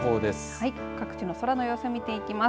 はい各地の空の様子を見ていきます。